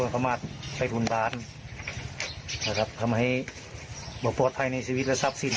ประมาณไปฝุ่นด่านะครับทำให้บอกปลอดภัยในชีวิตและทรัพย์สิ่ง